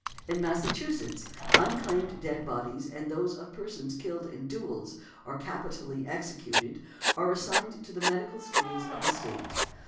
In Massachusetts, unclaimed dead bodies, and those of persons killed in duels, or capitally executed, are assigned to the medical schools of the State.